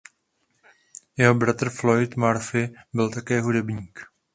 Jeho bratr Floyd Murphy byl také hudebník.